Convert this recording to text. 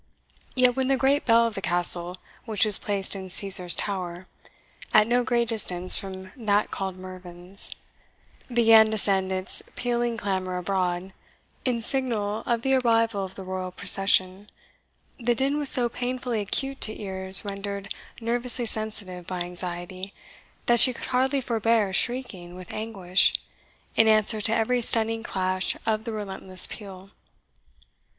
Yet when the great bell of the Castle, which was placed in Caesar's Tower, at no great distance from that called Mervyn's, began to send its pealing clamour abroad, in signal of the arrival of the royal procession, the din was so painfully acute to ears rendered nervously sensitive by anxiety, that she could hardly forbear shrieking with anguish, in answer to every stunning clash of the relentless peal.